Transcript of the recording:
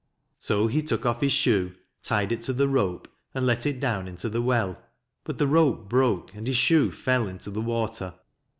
So he took off his shoe, tied it to the rope, and let it down into the well. But the rope broke, and his shoe fell into the water.